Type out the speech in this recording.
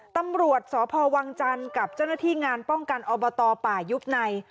ตำรวจสพวังจันทร์กับเจ้าหน้าที่งานป้องกันอบตป่ายุบใน